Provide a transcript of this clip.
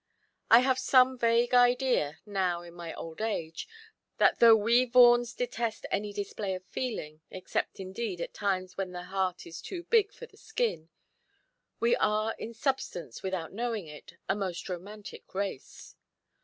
I have some vague idea, now in my old age, that though we Vaughans detest any display of feeling except indeed at times when the heart is too big for the skin we are in substance, without knowing it, a most romantic race.